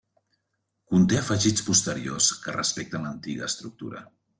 Conté afegits posteriors que respecten l'antiga estructura.